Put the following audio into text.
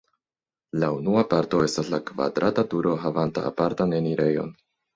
La unua parto estas la kvadrata turo havanta apartan enirejon.